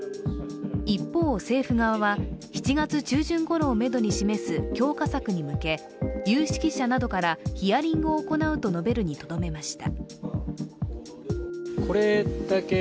一方、政府側は７月中旬ごろをめどに示す強化策に向け、有識者などからヒアリングを行うと述べるにとどめました。